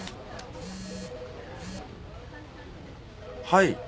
はい。